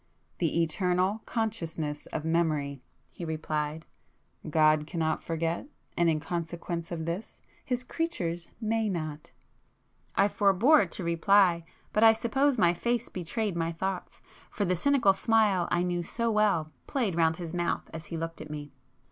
"The eternal consciousness of Memory—" he replied—"God can not forget,—and in consequence of this, His creatures may not!" I forbore to reply, but I suppose my face betrayed my thoughts, for the cynical smile I knew so well played round his mouth as he looked at me.